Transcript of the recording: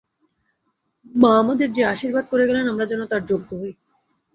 মা আমাদের যে আশীর্বাদ করে গেলেন আমরা যেন তার যোগ্য হই।